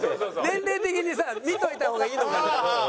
年齢的にさ見ておいた方がいいのかな。